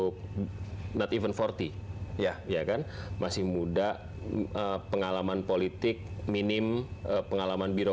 kenapa sih apa yang lebih dari anda